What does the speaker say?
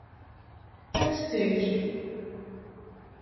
Ad tt-teg.